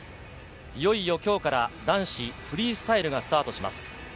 いよいよ今日から男子フリースタイルがスタートします。